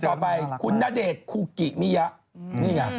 คนต่อไปคุณนเดชคุกิมียะ